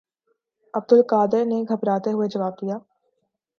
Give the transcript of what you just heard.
عبدالقادر نے گھبراتے ہوئے جواب دیا